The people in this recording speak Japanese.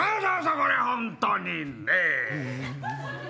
これ本当にねぇ。